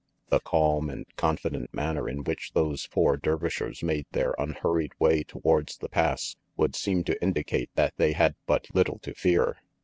The calm and confident manner in which those four Dervishers made their unhurried way towards the Pass, would seem to indicate that they had but little to fear.